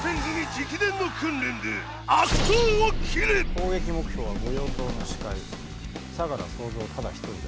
攻撃目標は御用盗の首魁相楽総三ただ一人だ。